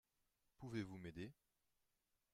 Pouvez-vous m’aider ?